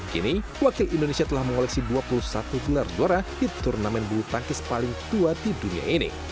kini wakil indonesia telah mengoleksi dua puluh satu gelar juara di turnamen bulu tangkis paling tua di dunia ini